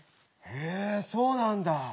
へえそうなんだ。